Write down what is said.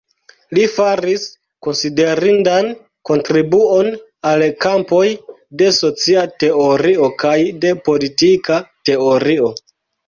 Li faris konsiderindan kontribuon al kampoj de socia teorio kaj de politika teorio.